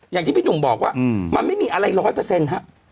อย่างที่พี่หนุ่มบอกว่ามันไม่มีอะไรร้อยเปอร์เซ็นต์ฮะ